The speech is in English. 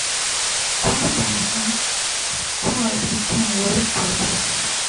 Covarrubias and Spies became very close.